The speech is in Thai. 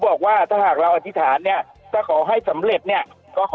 บอกว่าถ้าหากเราอธิษฐานเนี่ยถ้าขอให้สำเร็จเนี่ยก็ขอ